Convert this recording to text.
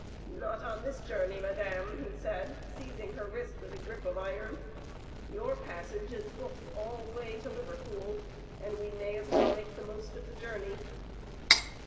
"Not this journey, madame, he said, seizing her wrist with a grip of iron. "Your passage is booked all the way to Liverpool, and we may as well make the most of the journey."